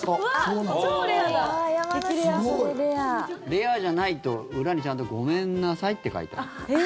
レアじゃないと裏にちゃんとごめんなさいって書いてある。